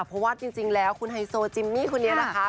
เพราะว่าจริงแล้วคุณไฮโซจิมมี่คนนี้นะคะ